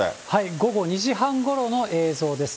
午後２時半ごろの映像です。